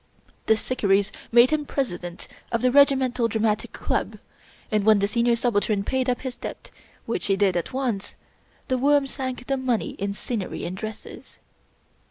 The " Shikarris " made him President of the Regimental Dramatic Club; and, when the Senior Subaltern paid up his debt, which he did at once. The Worm sank the money in scenery and dresses.